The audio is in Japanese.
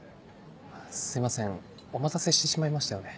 すいませんお待たせしてしまいましたよね。